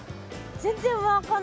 全然分かんないわ。